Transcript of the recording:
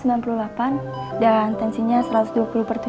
dan tensinya satu ratus dua puluh per tujuh puluh